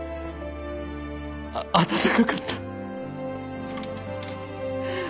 温かかった。